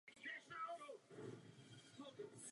Ke zprávě je rovněž důležité přidat jedno vyjasnění.